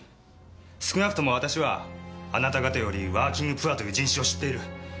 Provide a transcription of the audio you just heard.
少なくとも私はあなた方よりワーキングプアという人種を知っている。